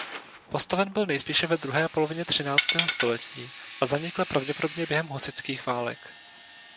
Postaven byl nejspíše ve druhé polovině třináctého století a zanikl pravděpodobně během husitských válek.